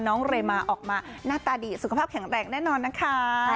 เรมาออกมาหน้าตาดีสุขภาพแข็งแรงแน่นอนนะคะ